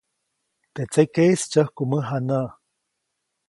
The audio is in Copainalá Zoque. Teʼ tsekeʼis tsyäjku mäjanäʼ.